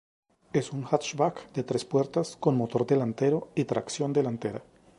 Es un hatchback de tres puertas con motor delantero y tracción delantera.